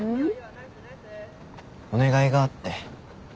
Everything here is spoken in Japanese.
お願いがあって。